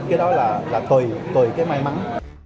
cái đó là tùy cái may mắn